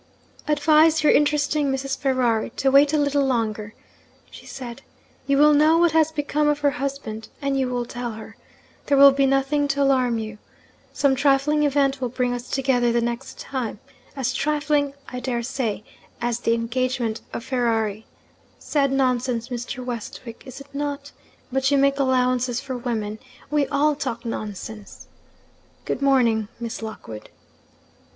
'Advise your interesting Mrs. Ferrari to wait a little longer,' she said. 'You will know what has become of her husband, and you will tell her. There will be nothing to alarm you. Some trifling event will bring us together the next time as trifling, I dare say, as the engagement of Ferrari. Sad nonsense, Mr. Westwick, is it not? But you make allowances for women; we all talk nonsense. Good morning, Miss Lockwood.'